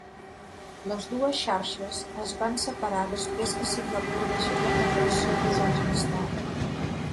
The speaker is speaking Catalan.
Les dues xarxes es van separar després que Singapur deixés la federació dos anys més tard.